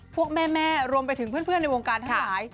พวกแม่รวมไปถึงเพื่อนในวงการทั้งหลาย